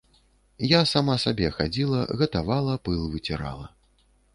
Я сама сабе хадзіла, гатавала, пыл выцірала.